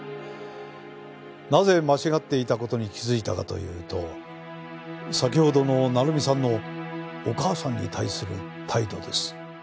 なぜ間違っていた事に気づいたかというと先ほどの成美さんのお母さんに対する態度です。